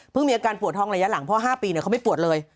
มีอาการปวดท้องระยะหลังเพราะ๕ปีเขาไม่ปวดเลย